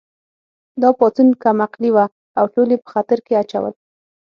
دا پاڅون کم عقلې وه او ټول یې په خطر کې اچول